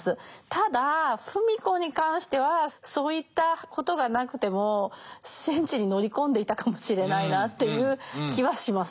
ただ芙美子に関してはそういったことがなくても戦地に乗り込んでいたかもしれないなっていう気はします。